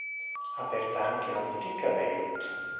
Aperta anche una boutique a Beirut.